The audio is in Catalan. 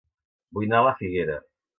Vull anar a La Figuera